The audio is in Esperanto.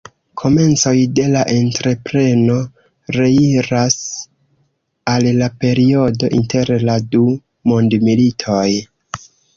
Komencoj de la entrepreno reiras al la periodo inter la du mondmilitoj.